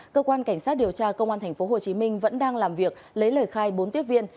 cơ quan cảnh sát điều tra công an tp hcm vẫn đang làm việc lấy lời khai bốn tiếp viên